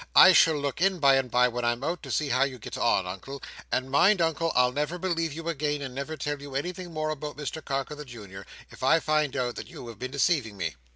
I shall look in by and by when I'm out, to see how you get on, Uncle. And mind, Uncle! I'll never believe you again, and never tell you anything more about Mr Carker the Junior, if I find out that you have been deceiving me!"